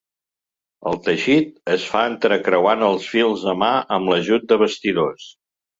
El teixit es fa entrecreuant els fils a mà amb l'ajut de bastidors.